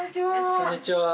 こんにちは。